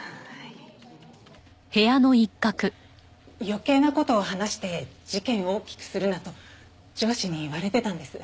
余計な事を話して事件を大きくするなと上司に言われてたんです。